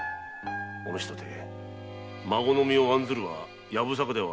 お主とて孫の身を案ずるはやぶさかではあるまい。